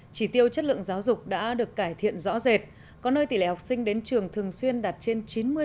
chỉ tiêu chất lượng giáo dục đã được cải thiện rõ rệt có nơi tỷ lệ học sinh đến trường thường xuyên đạt trên chín mươi